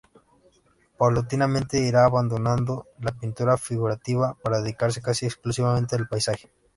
Paulatinamente irá abandonando la pintura figurativa para dedicarse casi exclusivamente al paisaje.